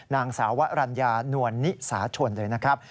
นางสาวรัญญานวลนิสาชนเลยนะครับ